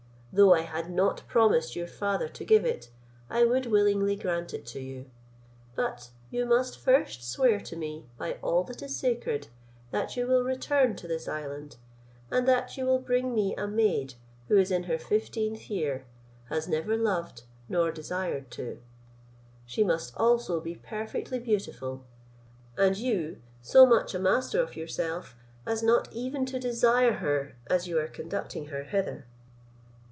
Though I had not promised your father to give it, I would willingly grant it to you: but you must first swear to me by all that is sacred, that you will return to this island, and that you will bring me a maid who is in her fifteenth year, has never loved, nor desired to. She must also be perfectly beautiful: and you so much a master of yourself, as not even to desire her as you are conducting her hither."